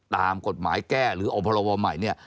ตามกฎหมายแก้หรือออกพรบใหม่